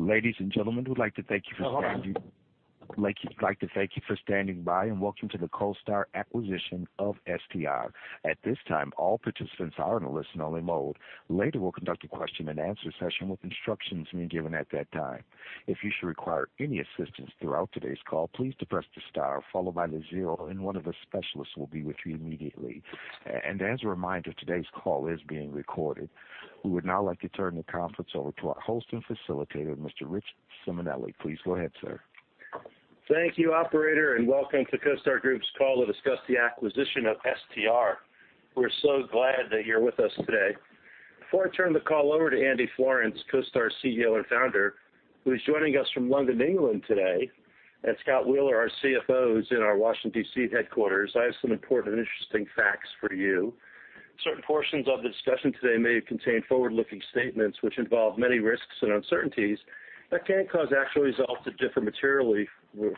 Ladies and gentlemen, we'd like to thank you for standing by, welcome to the CoStar acquisition of STR. At this time, all participants are in a listen-only mode. Later, we'll conduct a question and answer session with instructions being given at that time. If you should require any assistance throughout today's call, please press the star followed by the zero, one of the specialists will be with you immediately. As a reminder, today's call is being recorded. We would now like to turn the conference over to our host and facilitator, Mr. Rich Simonelli. Please go ahead, sir. Thank you, operator, and welcome to CoStar Group's call to discuss the acquisition of STR. We're so glad that you're with us today. Before I turn the call over to Andrew Florance, CoStar CEO and Founder, who is joining us from London, England today, and Scott Wheeler, our CFO, who's in our Washington, D.C. headquarters, I have some important and interesting facts for you. Certain portions of the discussion today may contain forward-looking statements which involve many risks and uncertainties that can cause actual results to differ materially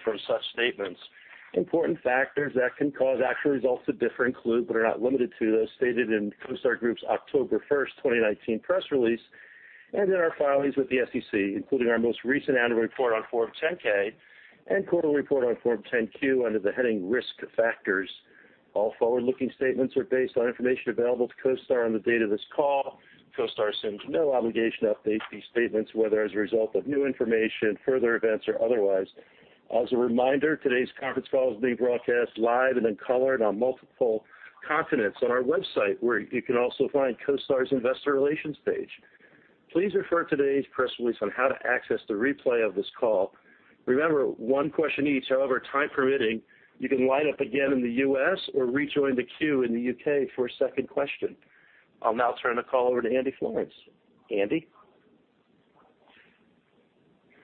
from such statements. Important factors that can cause actual results to differ include but are not limited to those stated in CoStar Group's October 1st, 2019 press release and in our filings with the SEC, including our most recent annual report on Form 10-K and quarterly report on Form 10-Q under the heading Risk Factors. All forward-looking statements are based on information available to CoStar on the date of this call. CoStar assumes no obligation to update these statements, whether as a result of new information, further events, or otherwise. As a reminder, today's conference call is being broadcast live and in color on multiple continents on our website, where you can also find CoStar's investor relations page. Please refer to today's press release on how to access the replay of this call. Remember, one question each. However, time permitting, you can line up again in the U.S. or rejoin the queue in the U.K. for a second question. I'll now turn the call over to Andrew Florance. Andy?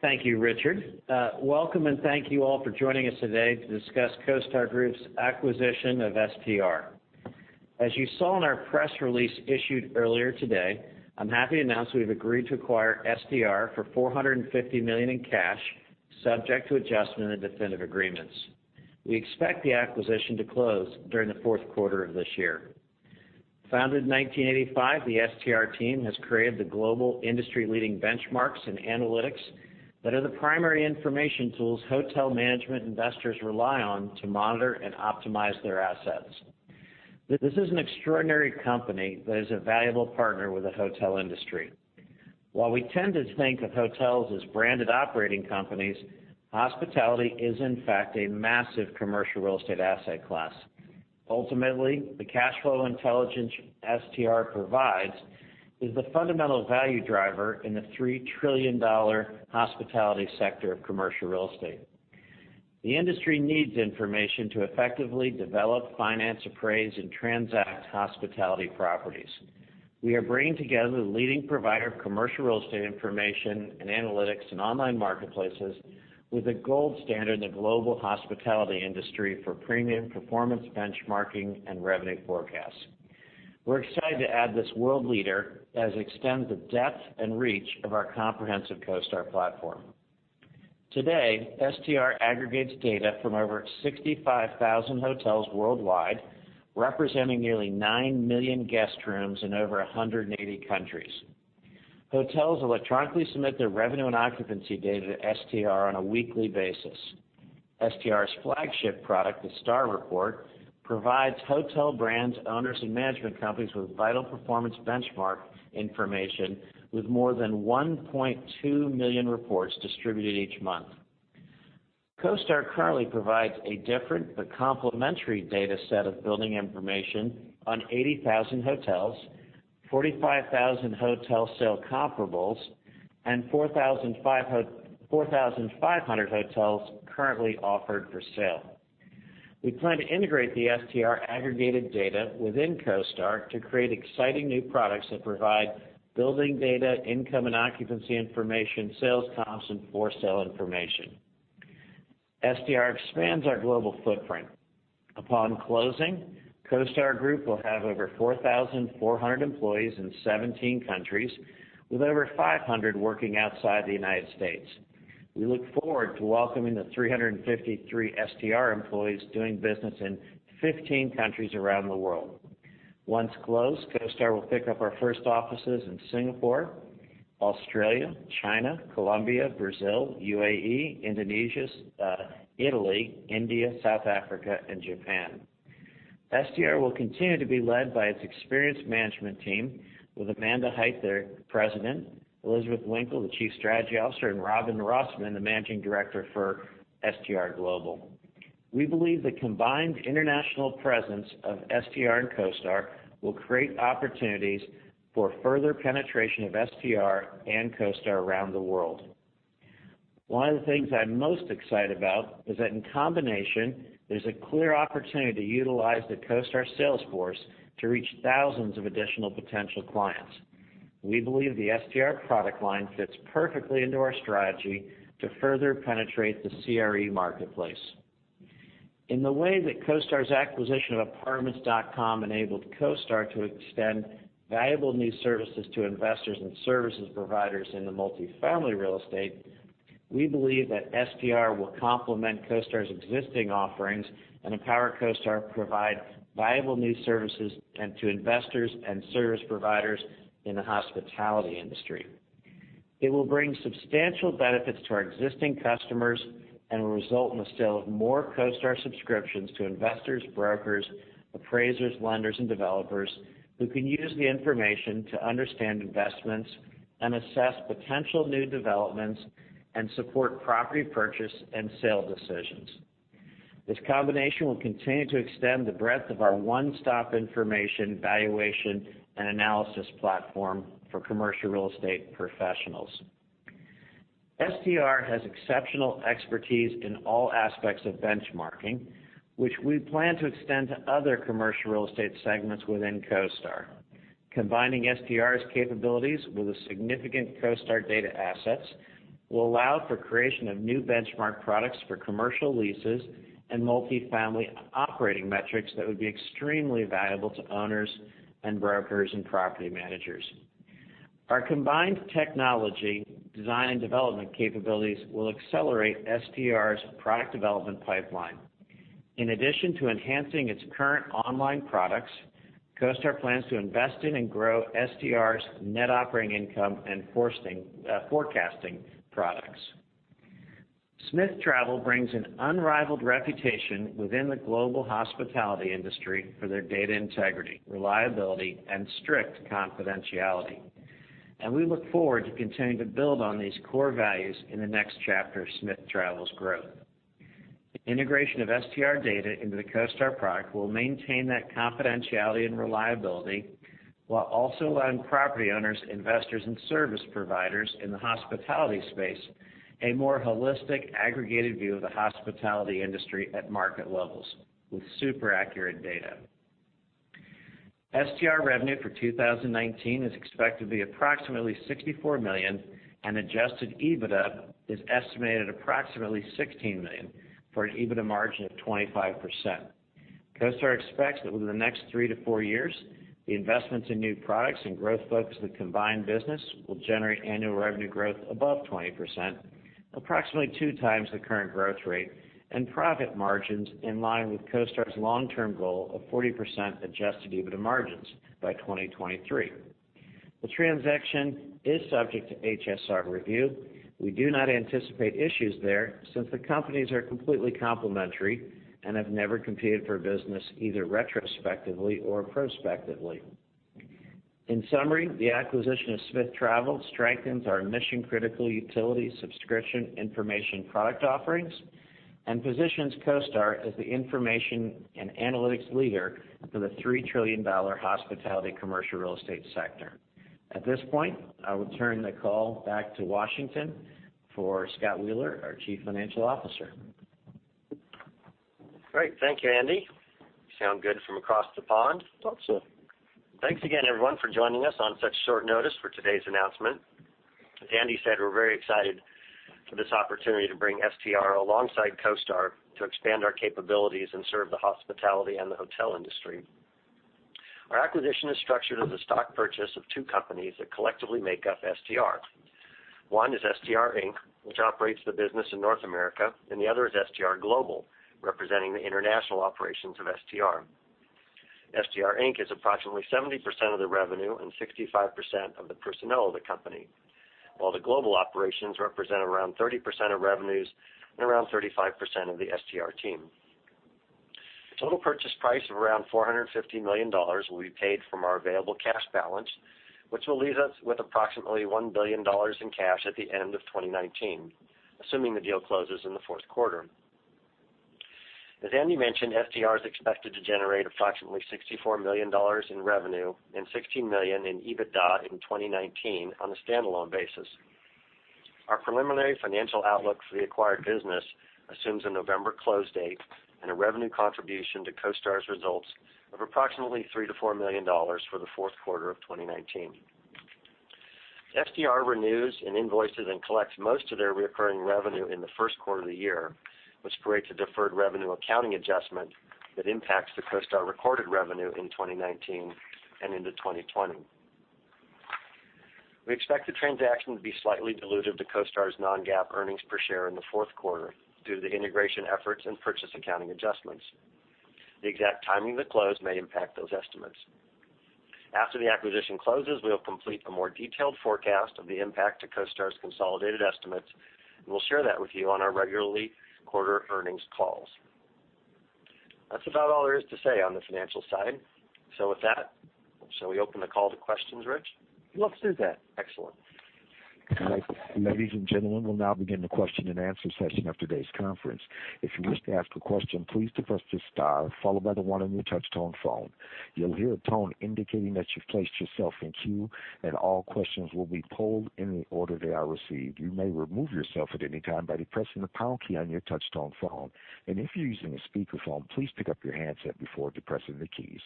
Thank you, Richard. Welcome, and thank you all for joining us today to discuss CoStar Group's acquisition of STR. As you saw in our press release issued earlier today, I'm happy to announce we've agreed to acquire STR for $450 million in cash, subject to adjustment in definitive agreements. We expect the acquisition to close during the fourth quarter of this year. Founded in 1985, the STR team has created the global industry-leading benchmarks in analytics that are the primary information tools hotel management investors rely on to monitor and optimize their assets. This is an extraordinary company that is a valuable partner with the hotel industry. While we tend to think of hotels as branded operating companies, hospitality is, in fact, a massive commercial real estate asset class. Ultimately, the cash flow intelligence STR provides is the fundamental value driver in the $3 trillion hospitality sector of commercial real estate. The industry needs information to effectively develop, finance, appraise, and transact hospitality properties. We are bringing together the leading provider of commercial real estate information and analytics and online marketplaces with the gold standard in the global hospitality industry for premium performance benchmarking and revenue forecasts. We're excited to add this world leader as it extends the depth and reach of our comprehensive CoStar platform. Today, STR aggregates data from over 65,000 hotels worldwide, representing nearly 9 million guest rooms in over 180 countries. Hotels electronically submit their revenue and occupancy data to STR on a weekly basis. STR's flagship product, the STR Report, provides hotel brands, owners, and management companies with vital performance benchmark information, with more than 1.2 million reports distributed each month. CoStar currently provides a different but complementary data set of building information on 80,000 hotels, 45,000 hotel sale comparables, and 4,500 hotels currently offered for sale. We plan to integrate the STR aggregated data within CoStar to create exciting new products that provide building data, income and occupancy information, sales comps, and for-sale information. STR expands our global footprint. Upon closing, CoStar Group will have over 4,400 employees in 17 countries, with over 500 working outside the United States. We look forward to welcoming the 353 STR employees doing business in 15 countries around the world. Once closed, CoStar will pick up our first offices in Singapore, Australia, China, Colombia, Brazil, UAE, Indonesia, Italy, India, South Africa, and Japan. STR will continue to be led by its experienced management team, with Amanda Hite, their president, Elizabeth Winkle, the chief strategy officer, and Robin Rossmann, the managing director for STR Global. We believe the combined international presence of STR and CoStar will create opportunities for further penetration of STR and CoStar around the world. One of the things I'm most excited about is that in combination, there's a clear opportunity to utilize the CoStar sales force to reach thousands of additional potential clients. We believe the STR product line fits perfectly into our strategy to further penetrate the CRE marketplace. In the way that CoStar's acquisition of Apartments.com enabled CoStar to extend valuable new services to investors and services providers in the multifamily real estate. We believe that STR will complement CoStar's existing offerings and empower CoStar to provide valuable new services to investors and service providers in the hospitality industry. It will bring substantial benefits to our existing customers and will result in the sale of more CoStar subscriptions to investors, brokers, appraisers, lenders, and developers who can use the information to understand investments and assess potential new developments and support property purchase and sale decisions. This combination will continue to extend the breadth of our one-stop information valuation and analysis platform for commercial real estate professionals. STR has exceptional expertise in all aspects of benchmarking, which we plan to extend to other commercial real estate segments within CoStar. Combining STR's capabilities with the significant CoStar data assets will allow for creation of new benchmark products for commercial leases and multi-family operating metrics that would be extremely valuable to owners and brokers and property managers. Our combined technology design and development capabilities will accelerate STR's product development pipeline. In addition to enhancing its current online products, CoStar plans to invest in and grow STR's net operating income and forecasting products. Smith Travel brings an unrivaled reputation within the global hospitality industry for their data integrity, reliability, and strict confidentiality. We look forward to continuing to build on these core values in the next chapter of Smith Travel's growth. The integration of STR data into the CoStar product will maintain that confidentiality and reliability while also allowing property owners, investors, and service providers in the hospitality space a more holistic, aggregated view of the hospitality industry at market levels with super accurate data. STR revenue for 2019 is expected to be approximately $64 million, and adjusted EBITDA is estimated at approximately $16 million, for an EBITDA margin of 25%. CoStar expects that within the next three to four years, the investments in new products and growth focus of the combined business will generate annual revenue growth above 20%, approximately two times the current growth rate, and profit margins in line with CoStar's long-term goal of 40% adjusted EBITDA margins by 2023. The transaction is subject to HSR review. We do not anticipate issues there since the companies are completely complementary and have never competed for business, either retrospectively or prospectively. In summary, the acquisition of Smith Travel strengthens our mission-critical utility subscription information product offerings and positions CoStar as the information and analytics leader for the $3 trillion hospitality commercial real estate sector. At this point, I will turn the call back to Washington for Scott Wheeler, our Chief Financial Officer. Great. Thank you, Andy. You sound good from across the pond. I thought so. Thanks again, everyone, for joining us on such short notice for today's announcement. As Andy Florance said, we're very excited for this opportunity to bring STR alongside CoStar to expand our capabilities and serve the hospitality and the hotel industry. Our acquisition is structured as a stock purchase of two companies that collectively make up STR. One is STR, Inc., which operates the business in North America, and the other is STR Global, representing the international operations of STR. STR, Inc. is approximately 70% of the revenue and 65% of the personnel of the company. While the global operations represent around 30% of revenues and around 35% of the STR team. The total purchase price of around $450 million will be paid from our available cash balance, which will leave us with approximately $1 billion in cash at the end of 2019, assuming the deal closes in the fourth quarter. As Andy mentioned, STR is expected to generate approximately $64 million in revenue and $16 million in EBITDA in 2019 on a standalone basis. Our preliminary financial outlook for the acquired business assumes a November close date, and a revenue contribution to CoStar's results of approximately $3 million-$4 million for the fourth quarter of 2019. STR renews and invoices and collects most of their reoccurring revenue in the first quarter of the year, which creates a deferred revenue accounting adjustment that impacts the CoStar recorded revenue in 2019 and into 2020. We expect the transaction to be slightly dilutive to CoStar's non-GAAP earnings per share in the fourth quarter due to the integration efforts and purchase accounting adjustments. The exact timing of the close may impact those estimates. After the acquisition closes, we'll complete a more detailed forecast of the impact to CoStar's consolidated estimates, and we'll share that with you on our regularly quarter earnings calls. That's about all there is to say on the financial side. With that, shall we open the call to questions, Rich? Let's do that. Excellent. Ladies and gentlemen, we'll now begin the question-and-answer session of today's conference. If you wish to ask a question, please depress the star followed by the one on your touch-tone phone. You'll hear a tone indicating that you've placed yourself in queue, and all questions will be pulled in the order they are received. You may remove yourself at any time by depressing the pound key on your touch-tone phone. If you're using a speakerphone, please pick up your handset before depressing the keys.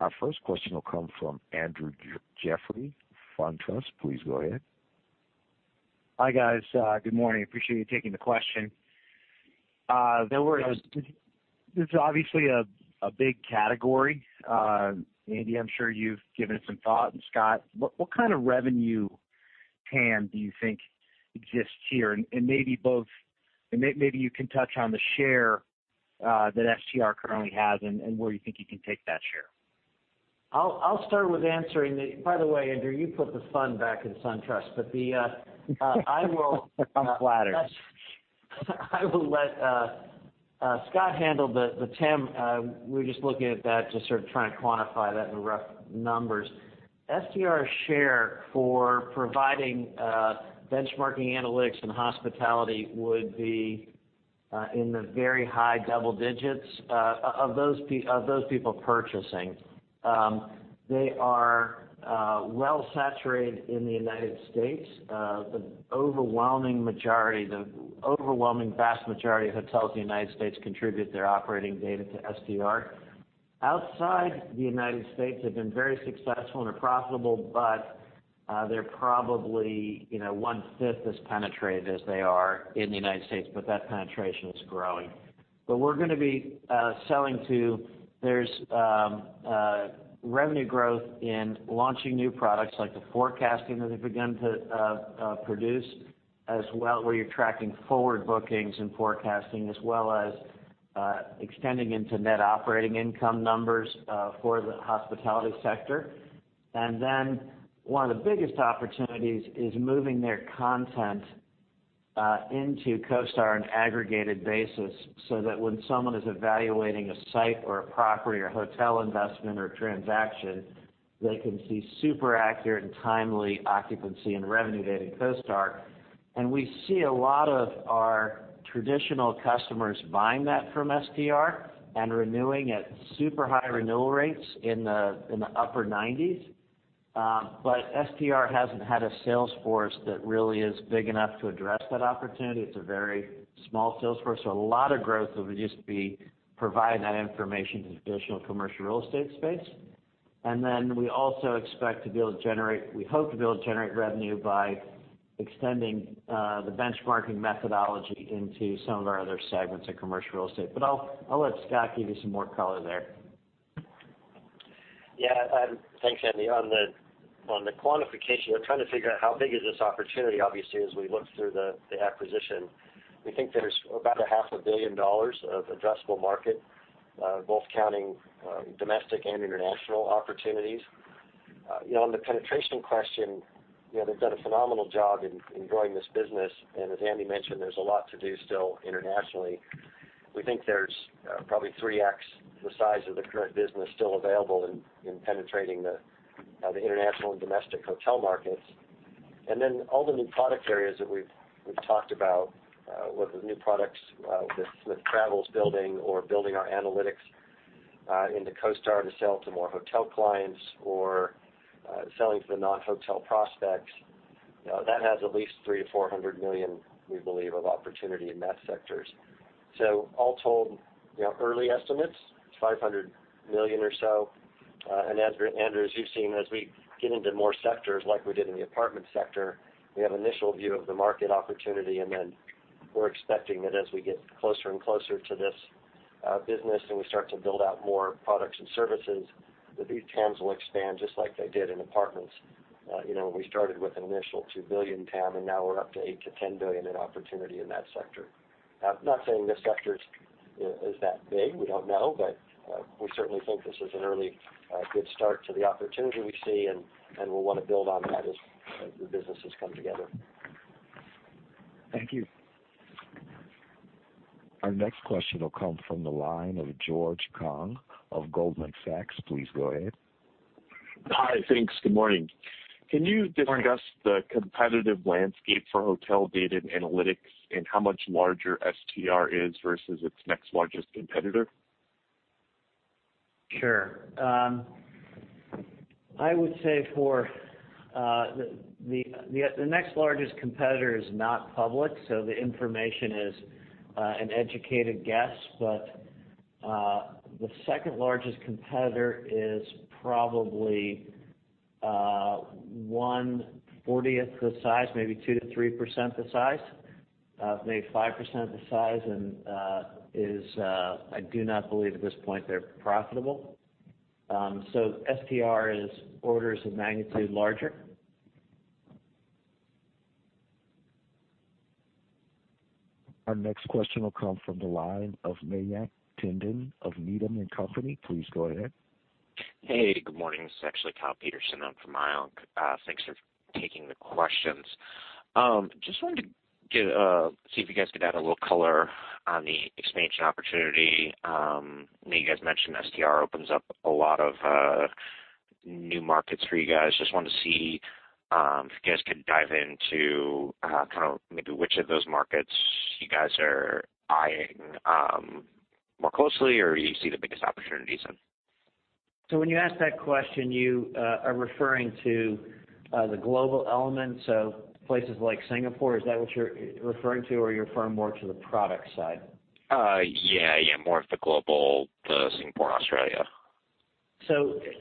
Our first question will come from Andrew Jeffrey, SunTrust. Please go ahead. Hi, guys. Good morning. Appreciate you taking the question. No worries. This is obviously a big category. Andy, I'm sure you've given it some thought, and Scott. What kind of revenue TAM do you think exists here? Maybe you can touch on the share that STR currently has and where you think you can take that share. I'll start with answering that. By the way, Andrew, you put the fun back in SunTrust. I'm flattered. I will let Scott handle the TAM. We're just looking at that to sort of try and quantify that in rough numbers. STR share for providing benchmarking analytics in hospitality would be in the very high double digits of those people purchasing. They are well saturated in the U.S. The overwhelming vast majority of hotels in the U.S. contribute their operating data to STR. Outside the U.S., they've been very successful and are profitable, but they're probably one-fifth as penetrated as they are in the U.S., but that penetration is growing. There's revenue growth in launching new products like the forecasting that they've begun to produce, where you're tracking forward bookings and forecasting as well as extending into net operating income numbers for the hospitality sector. One of the biggest opportunities is moving their content into CoStar on an aggregated basis so that when someone is evaluating a site or a property or hotel investment or transaction, they can see super accurate and timely occupancy and revenue data in CoStar. We see a lot of our traditional customers buying that from STR and renewing at super high renewal rates in the upper 90s. STR hasn't had a sales force that really is big enough to address that opportunity. It's a very small sales force. A lot of growth will just be providing that information to the traditional commercial real estate space. We also expect to be able to generate, we hope to be able to generate revenue by extending the benchmarking methodology into some of our other segments of commercial real estate. I'll let Scott give you some more color there. Yeah. Thanks, Andy. On the quantification, we're trying to figure out how big is this opportunity, obviously, as we look through the acquisition. We think there's about a half a billion dollars of addressable market, both counting domestic and international opportunities. On the penetration question, they've done a phenomenal job in growing this business. As Andy mentioned, there's a lot to do still internationally. We think there's probably 3x the size of the current business still available in penetrating the international and domestic hotel markets. All the new product areas that we've talked about, whether the new products that Smith Travel is building or building our analytics into CoStar to sell to more hotel clients or selling to the non-hotel prospects. That has at least $300 million-$400 million we believe of opportunity in that sectors. All told, early estimates, it's $500 million or so. Andrew, as you've seen, as we get into more sectors like we did in the apartment sector, we have initial view of the market opportunity, then we're expecting that as we get closer and closer to this business and we start to build out more products and services, that these TAMs will expand just like they did in apartments. We started with an initial $2 billion TAM, now we're up to $8 billion-$10 billion in opportunity in that sector. I'm not saying this sector is that big. We don't know. We certainly think this is an early good start to the opportunity we see, and we'll want to build on that as the businesses come together. Thank you. Our next question will come from the line of George Tong of Goldman Sachs. Please go ahead. Hi. Thanks. Good morning. Good morning. Can you discuss the competitive landscape for hotel data and analytics and how much larger STR is versus its next largest competitor? Sure. I would say the next largest competitor is not public, the information is an educated guess. The second-largest competitor is probably one-fortieth the size, maybe 2%-3% the size, maybe 5% the size, and I do not believe at this point they're profitable. STR is orders of magnitude larger. Our next question will come from the line of Mayank Tandon of Needham and Company. Please go ahead. Hey, good morning. This is actually Kyle Peterson. I'm from Manyak. Thanks for taking the questions. Just wanted to see if you guys could add a little color on the expansion opportunity. I know you guys mentioned STR opens up a lot of new markets for you guys. Just wanted to see if you guys could dive into maybe which of those markets you guys are eyeing more closely, or you see the biggest opportunities in. When you ask that question, you are referring to the global elements of places like Singapore. Is that what you're referring to, or are you referring more to the product side? Yeah. More of the global, the Singapore and Australia.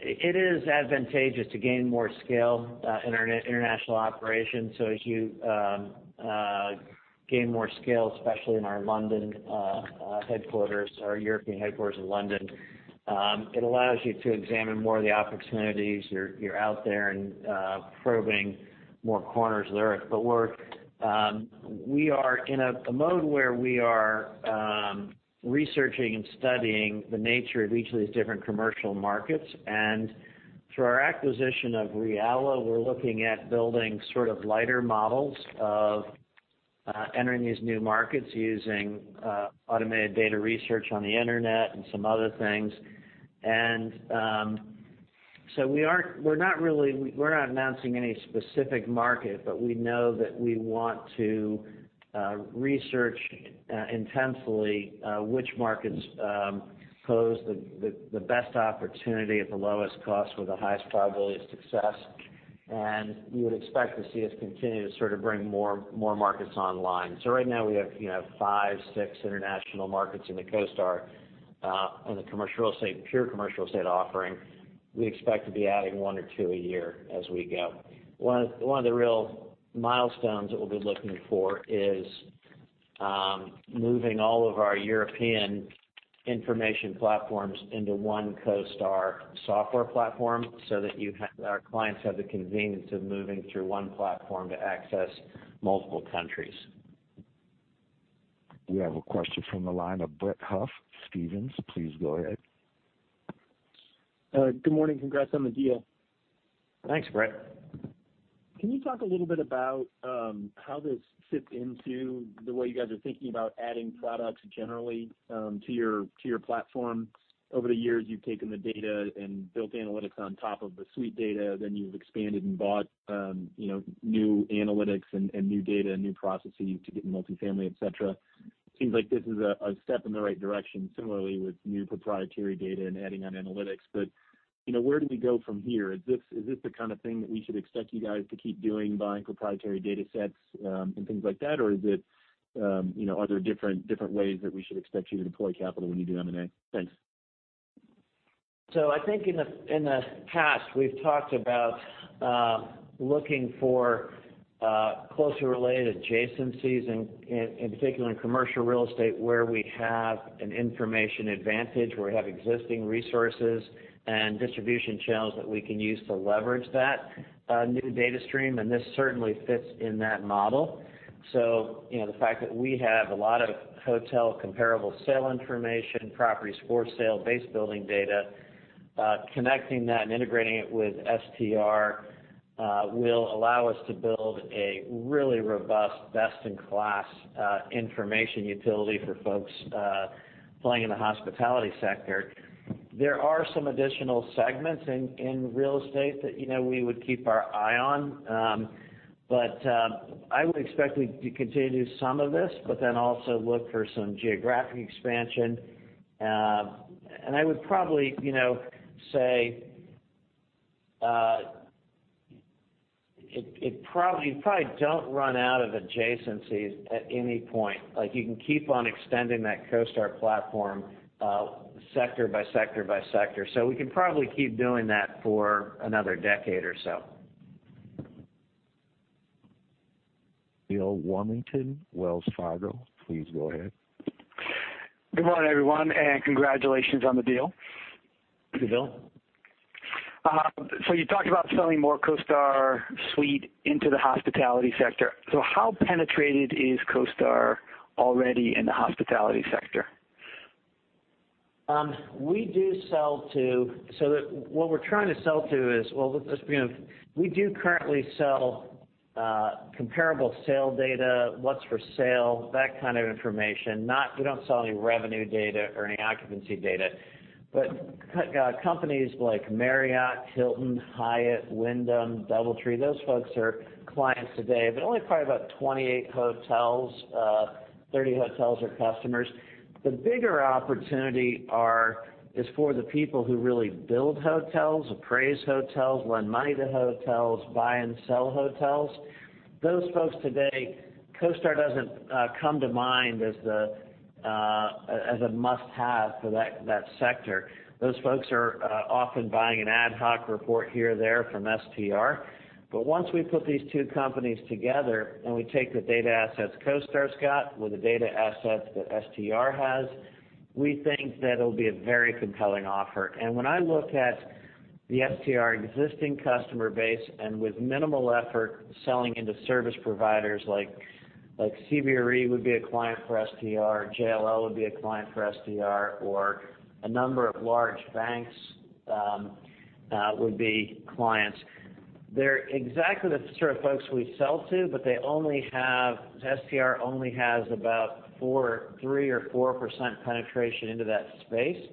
It is advantageous to gain more scale in our international operations. As you gain more scale, especially in our London headquarters, our European headquarters in London, it allows you to examine more of the opportunities. You're out there and probing more corners of the Earth. We are in a mode where we are researching and studying the nature of each of these different commercial markets. Through our acquisition of Realla, we're looking at building sort of lighter models of entering these new markets using automated data research on the internet and some other things. We're not announcing any specific market, but we know that we want to research intensely which markets pose the best opportunity at the lowest cost with the highest probability of success. You would expect to see us continue to sort of bring more markets online. Right now we have five, six international markets into CoStar, on the commercial real estate, pure commercial estate offering. We expect to be adding one or two a year as we go. One of the real milestones that we'll be looking for is moving all of our European information platforms into one CoStar software platform so that our clients have the convenience of moving through one platform to access multiple countries. We have a question from the line of Brett Huff, Stephens. Please go ahead. Good morning. Congrats on the deal. Thanks, Brett. Can you talk a little bit about how this fits into the way you guys are thinking about adding products generally to your platform? Over the years, you've taken the data and built analytics on top of the CoStar Suite data. Then you've expanded and bought new analytics and new data, new processing to get multifamily, et cetera. It seems like this is a step in the right direction, similarly with new proprietary data and adding on analytics. Where do we go from here? Is this the kind of thing that we should expect you guys to keep doing, buying proprietary data sets and things like that? Are there different ways that we should expect you to deploy capital when you do M&A? Thanks. I think in the past, we've talked about looking for closely related adjacencies, in particular in commercial real estate, where we have an information advantage, where we have existing resources and distribution channels that we can use to leverage that new data stream, and this certainly fits in that model. The fact that we have a lot of hotel comparable sale information, properties for sale, base building data, connecting that and integrating it with STR will allow us to build a really robust, best-in-class information utility for folks playing in the hospitality sector. There are some additional segments in real estate that we would keep our eye on. I would expect we'd continue some of this, but then also look for some geographic expansion. I would probably say, you probably don't run out of adjacencies at any point. Like you can keep on extending that CoStar platform sector by sector by sector. We can probably keep doing that for another decade or so. Bill Warmington, Wells Fargo, please go ahead. Good morning, everyone, and congratulations on the deal. Thank you, Bill. You talked about selling more CoStar Suite into the hospitality sector. How penetrated is CoStar already in the hospitality sector? What we're trying to sell to is, well, we do currently sell comparable sale data, what's for sale, that kind of information. We don't sell any revenue data or any occupancy data. Companies like Marriott, Hilton, Hyatt, Wyndham, DoubleTree, those folks are clients today, but only probably about 28 hotels, 30 hotels are customers. The bigger opportunity is for the people who really build hotels, appraise hotels, lend money to hotels, buy and sell hotels. Those folks today, CoStar doesn't come to mind as a must-have for that sector. Those folks are often buying an ad hoc report here or there from STR. Once we put these two companies together, and we take the data assets CoStar's got with the data assets that STR has, we think that it'll be a very compelling offer. When I look at the STR existing customer base and with minimal effort selling into service providers like CBRE would be a client for STR, JLL would be a client for STR, or a number of large banks would be clients. They're exactly the sort of folks we sell to, but STR only has about 3% or 4% penetration into that space.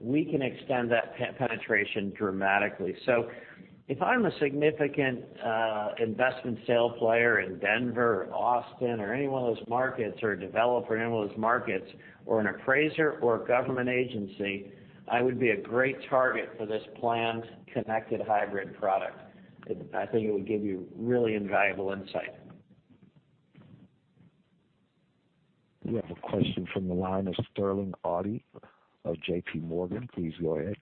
We can extend that penetration dramatically. If I'm a significant investment sales player in Denver or Austin or any one of those markets, or a developer in any of those markets, or an appraiser or a government agency, I would be a great target for this planned connected hybrid product. I think it would give you really invaluable insight. We have a question from the line of Sterling Auty of JPMorgan. Please go ahead.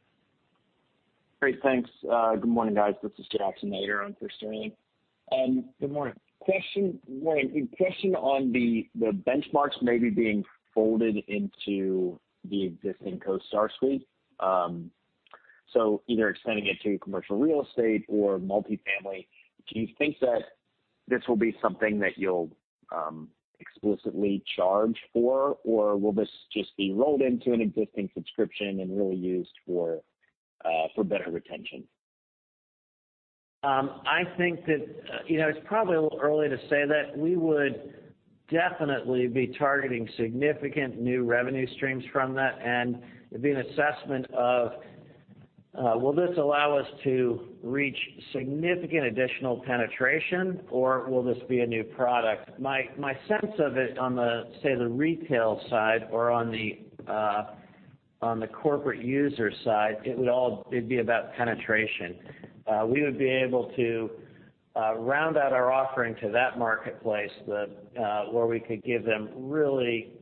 Great. Thanks. Good morning, guys. This is Jackson Ader in for Sterling. Good morning. One question on the benchmarks maybe being folded into the existing CoStar Suite. Either extending it to commercial real estate or multifamily. Do you think that this will be something that you'll explicitly charge for, or will this just be rolled into an existing subscription and really used for better retention? It's probably a little early to say that. We would definitely be targeting significant new revenue streams from that, and it'd be an assessment of will this allow us to reach significant additional penetration, or will this be a new product? My sense of it on the, say, the retail side or on the corporate user side, it'd be about penetration. We would be able to round out our offering to that marketplace where we could give them really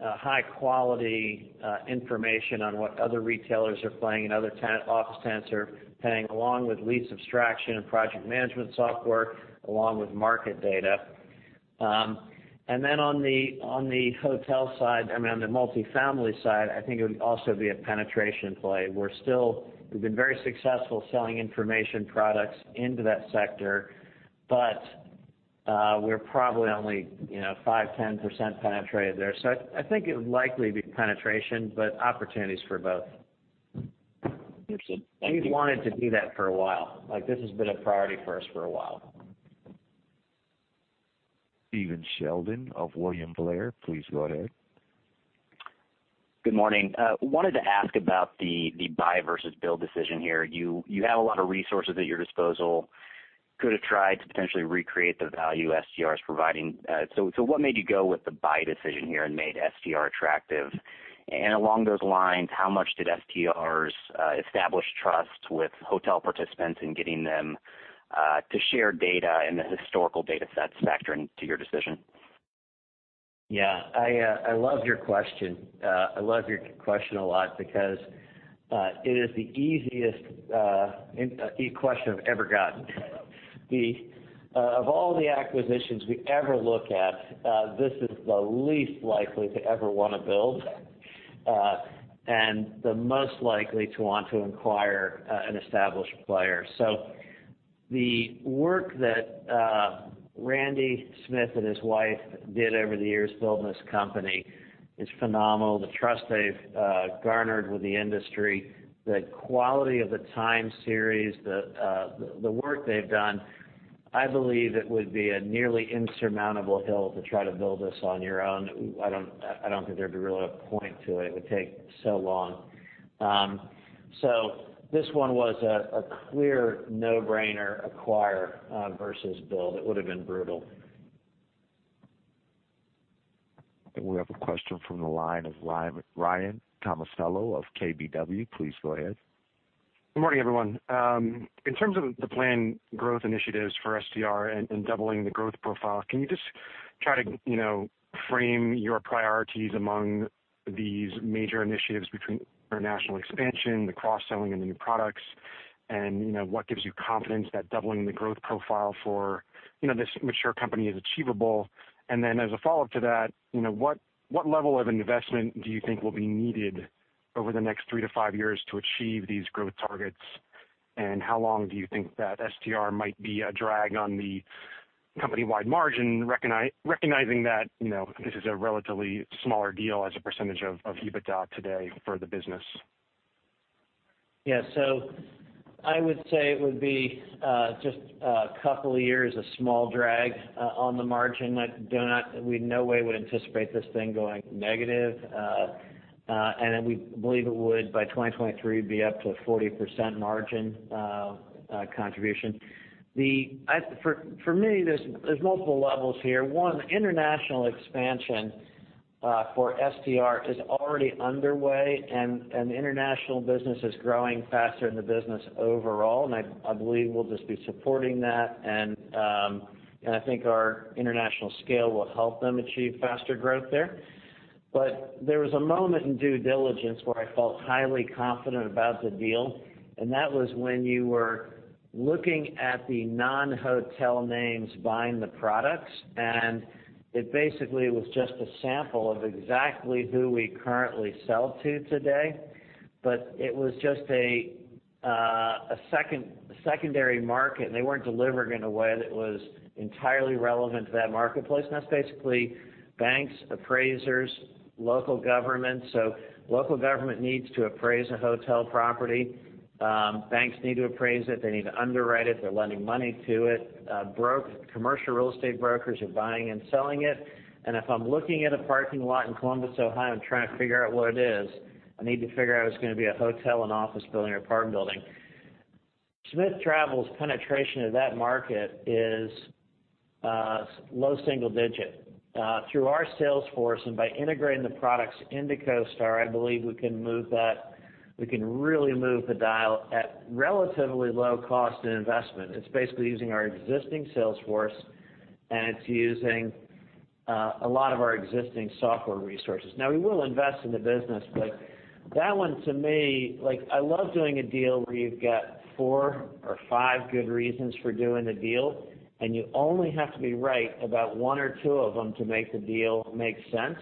high-quality information on what other retailers are paying and other office tenants are paying, along with lease abstraction and project management software, along with market data. On the hotel side, I mean, on the multifamily side, I think it would also be a penetration play. We've been very successful selling information products into that sector, but we're probably only 5%, 10% penetrated there. I think it would likely be penetration, but opportunities for both. Appreciate it. Thank you. We've wanted to do that for a while. This has been a priority for us for a while. Stephen Sheldon of William Blair, please go ahead. Good morning. Wanted to ask about the buy versus build decision here. You have a lot of resources at your disposal. Could have tried to potentially recreate the value STR is providing. What made you go with the buy decision here and made STR attractive? Along those lines, how much did STR's established trust with hotel participants in getting them to share data and the historical data set factor into your decision? Yeah. I love your question. I love your question a lot because it is the easiest question I've ever gotten. Of all the acquisitions we ever look at, this is the least likely to ever want to build, and the most likely to want to acquire an established player. The work that Randy Smith and his wife did over the years building this company is phenomenal. The trust they've garnered with the industry, the quality of the time series, the work they've done, I believe it would be a nearly insurmountable hill to try to build this on your own. I don't think there'd be really a point to it. It would take so long. This one was a clear no-brainer acquire versus build. It would've been brutal. We have a question from the line of Ryan Tomasello of KBW. Please go ahead. Good morning, everyone. In terms of the planned growth initiatives for STR and doubling the growth profile, can you just try to frame your priorities among these major initiatives between international expansion, the cross-selling of the new products, and what gives you confidence that doubling the growth profile for this mature company is achievable? As a follow-up to that, what level of investment do you think will be needed over the next three to five years to achieve these growth targets? How long do you think that STR might be a drag on the company-wide margin, recognizing that this is a relatively smaller deal as a percentage of EBITDA today for the business? Yeah. I would say it would be just a couple of years, a small drag on the margin. We'd in no way would anticipate this thing going negative. We believe it would, by 2023, be up to a 40% margin contribution. For me, there's multiple levels here. One, international expansion for STR is already underway, and international business is growing faster than the business overall, and I believe we'll just be supporting that. I think our international scale will help them achieve faster growth there. There was a moment in due diligence where I felt highly confident about the deal, and that was when you were looking at the non-hotel names buying the products. It basically was just a sample of exactly who we currently sell to today. It was just a secondary market, and they weren't delivering in a way that was entirely relevant to that marketplace. That's basically banks, appraisers, local governments. Local government needs to appraise a hotel property. Banks need to appraise it. They need to underwrite it. They're lending money to it. Commercial real estate brokers are buying and selling it. If I'm looking at a parking lot in Columbus, Ohio, and trying to figure out what it is, I need to figure out if it's going to be a hotel, an office building, or apartment building. STR's penetration of that market is low single digit. Through our sales force and by integrating the products into CoStar, I believe we can really move the dial at relatively low cost in investment. It's basically using our existing sales force. It's using a lot of our existing software resources. Now, we will invest in the business, but that one to me, I love doing a deal where you've got four or five good reasons for doing a deal, and you only have to be right about one or two of them to make the deal make sense.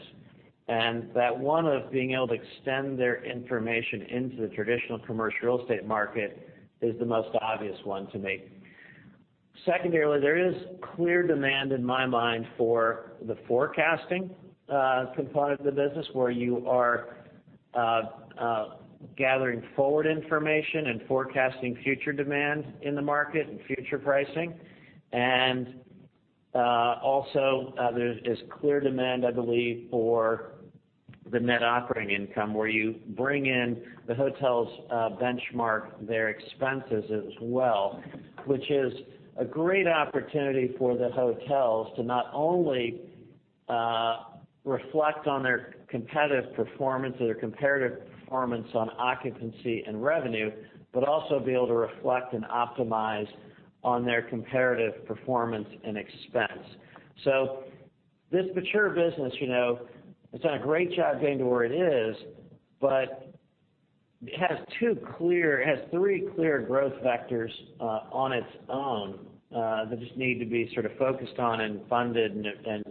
That one of being able to extend their information into the traditional commercial real estate market is the most obvious one to me. Secondarily, there is clear demand in my mind for the forecasting component of the business where you are gathering forward information and forecasting future demand in the market and future pricing, and also there is clear demand, I believe, for the net operating income, where you bring in the hotels benchmark their expenses as well, which is a great opportunity for the hotels to not only reflect on their competitive performance or their comparative performance on occupancy and revenue, but also be able to reflect and optimize on their comparative performance and expense. This mature business, it's done a great job getting to where it is, but it has three clear growth vectors on its own that just need to be sort of focused on and funded and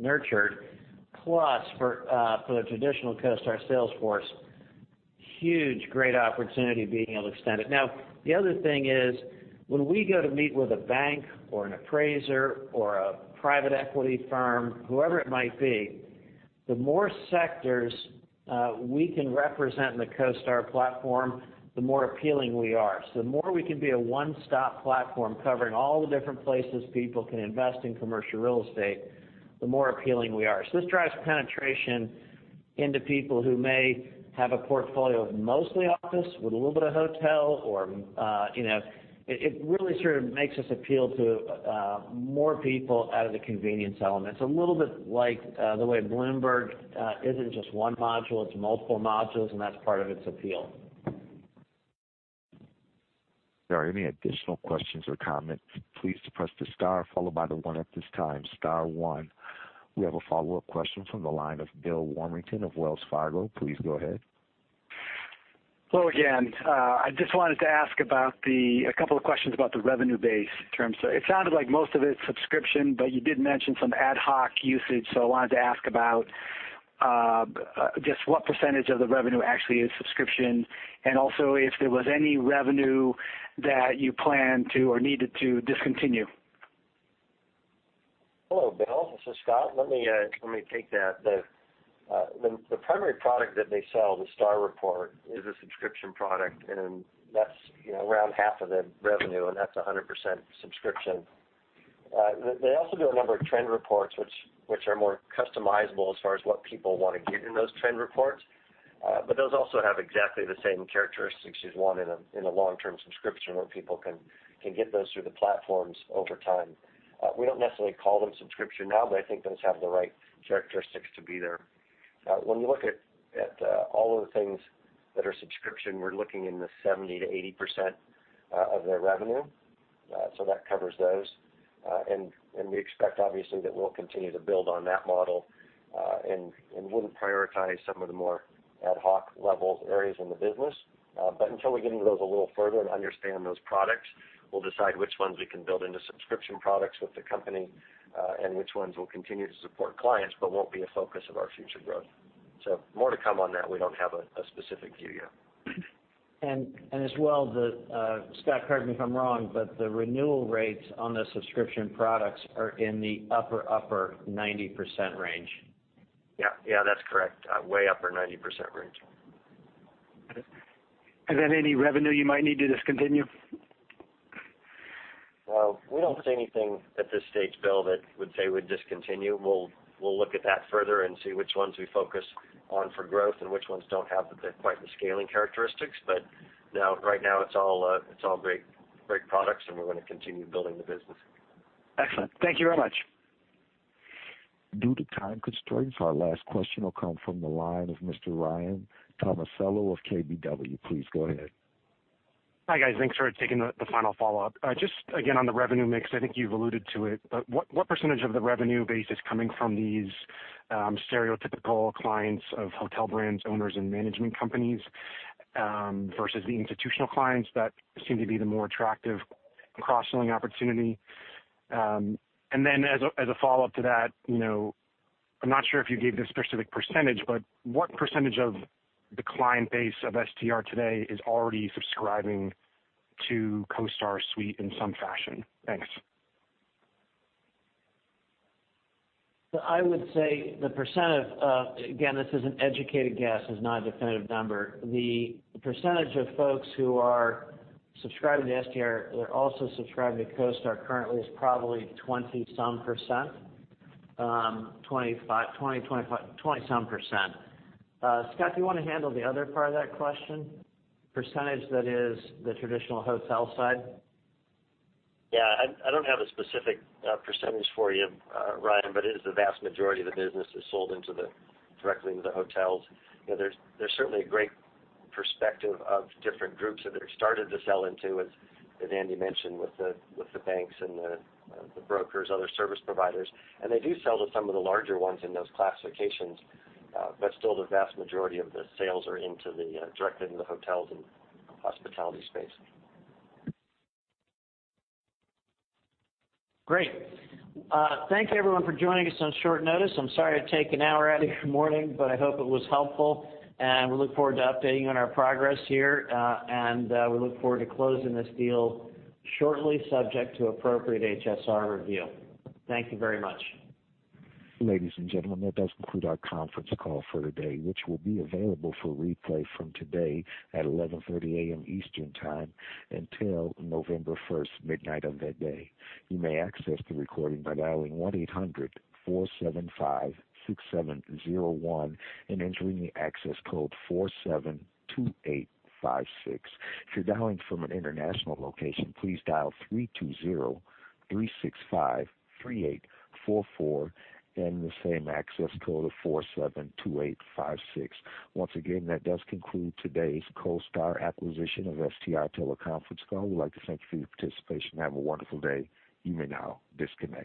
nurtured. Plus, for the traditional CoStar sales force, huge, great opportunity being able to extend it. The other thing is, when we go to meet with a bank or an appraiser or a private equity firm, whoever it might be, the more sectors we can represent in the CoStar platform, the more appealing we are. The more we can be a one-stop platform covering all the different places people can invest in commercial real estate, the more appealing we are. This drives penetration into people who may have a portfolio of mostly office with a little bit of hotel. It really sort of makes us appeal to more people out of the convenience element. It's a little bit like the way Bloomberg isn't just one module, it's multiple modules, and that's part of its appeal. If there are any additional questions or comments, please press the star followed by the one at this time. Star one. We have a follow-up question from the line of Bill Warmington of Wells Fargo. Please go ahead. Hello again. I just wanted to ask a couple of questions about the revenue base terms. It sounded like most of it's subscription, but you did mention some ad hoc usage, so I wanted to ask about just what percentage of the revenue actually is subscription, and also if there was any revenue that you plan to or needed to discontinue. Hello, Bill. This is Scott. Let me take that. The primary product that they sell, the STR Report, is a subscription product, and that's around half of the revenue, and that's 100% subscription. They also do a number of trend reports which are more customizable as far as what people want to get in those trend reports. Those also have exactly the same characteristics as one in a long-term subscription where people can get those through the platforms over time. We don't necessarily call them subscription now, but I think those have the right characteristics to be there. When you look at all of the things that are subscription, we're looking in the 70%-80% of their revenue. That covers those. We expect obviously that we'll continue to build on that model, and wouldn't prioritize some of the more ad hoc levels areas in the business. Until we get into those a little further and understand those products, we'll decide which ones we can build into subscription products with the company, and which ones will continue to support clients but won't be a focus of our future growth. More to come on that. We don't have a specific view yet. As well, Scott, correct me if I'm wrong, but the renewal rates on the subscription products are in the upper 90% range. Yeah. That's correct. Way upper 90% range. Got it. Is there any revenue you might need to discontinue? Well, we don't see anything at this stage, Bill, that we'd say we'd discontinue. We'll look at that further and see which ones we focus on for growth and which ones don't have quite the scaling characteristics. Right now, it's all great products, and we're going to continue building the business. Excellent. Thank you very much. Due to time constraints, our last question will come from the line of Mr. Ryan Tomasello of KBW. Please go ahead. Hi, guys. Thanks for taking the final follow-up. Just again on the revenue mix, I think you've alluded to it, but what % of the revenue base is coming from these stereotypical clients of hotel brands, owners, and management companies versus the institutional clients that seem to be the more attractive cross-selling opportunity? As a follow-up to that, I'm not sure if you gave the specific %, but what % of the client base of STR today is already subscribing to CoStar Suite in some fashion? Thanks. I would say the % of, again, this is an educated guess, this is not a definitive number. The % of folks who are subscribing to STR that also subscribe to CoStar currently is probably 20-some %. 20, 25. 20-some %. Scott, do you want to handle the other part of that question? % that is the traditional hotel side. Yeah. I don't have a specific percentage for you, Ryan, but it is the vast majority of the business is sold directly into the hotels. There's certainly a great perspective of different groups that they've started to sell into, as Andy mentioned, with the banks and the brokers, other service providers, and they do sell to some of the larger ones in those classifications. Still, the vast majority of the sales are directly into the hotels and hospitality space. Great. Thank you, everyone, for joining us on short notice. I'm sorry to take an hour out of your morning. I hope it was helpful, and we look forward to updating you on our progress here. We look forward to closing this deal shortly, subject to appropriate HSR review. Thank you very much. Ladies and gentlemen, that does conclude our conference call for the day, which will be available for replay from today at 11:30 A.M. Eastern Time until November 1st, midnight of that day. You may access the recording by dialing 1-800-475-6701 and entering the access code 472856. If you're dialing from an international location, please dial 320-365-3844, then the same access code of 472856. Once again, that does conclude today's CoStar acquisition of STR teleconference call. We'd like to thank you for your participation. Have a wonderful day. You may now disconnect.